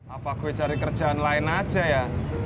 apa gue cari kerjaan lain aja ya